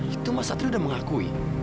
itu mas satria udah mengakui